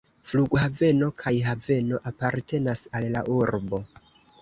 Flughaveno kaj haveno apartenas al la urbo.